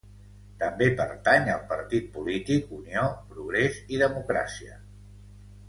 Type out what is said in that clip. També pertany al partit polític Unió, Progrés i Democràcia.